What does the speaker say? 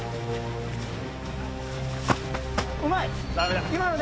うまい！